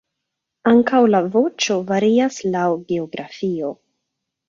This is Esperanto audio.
Ankaŭ la voĉo varias laŭ geografio.